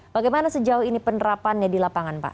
bagaimana sejauh ini penerapannya di lapangan pak